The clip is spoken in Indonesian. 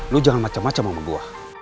lu jangan macam macam sama gua